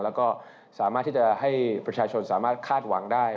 แล้วก็สามารถที่จะให้ประชาชนสามารถคาดหวังได้